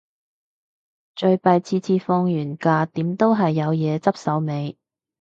最弊次次放完假，點都係有嘢執手尾